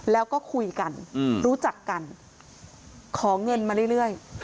แล้วก็คุยกันรู้จักกันขอเงินมาเรื่อย